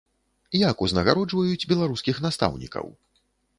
Як узнагароджваюць беларускіх настаўнікаў?